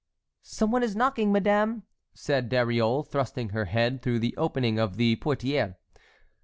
"Some one is knocking, madame," said Dariole, thrusting her head through the opening of the portière.